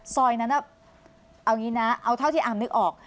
ซอยนั้นเอางี้นะเอาเท่าที่อาร์มนึกออก